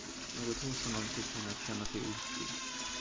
Något hos honom fick henne att känna sig otrygg.